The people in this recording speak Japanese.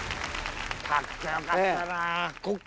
かっこ良かったな。